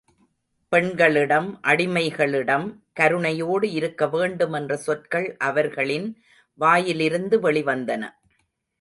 பெண்களிடம் அடிமைகளிடம் கருணையோடு இருக்க வேண்டும் என்ற சொற்கள் அவர்களின் வாயிலிருந்து வெளி வந்தன.